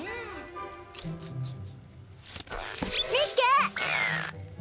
みっけ！